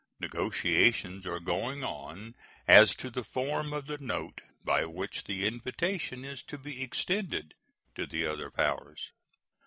Negotiations are going on as to the form of the note by which the invitation is to be extended to the other powers.